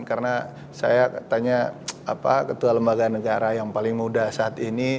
karena saya tanya apa ketua lembaga negara yang paling muda saat ini